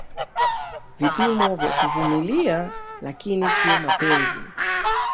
Vipo vya kuvumilia, lakini sio mapenzi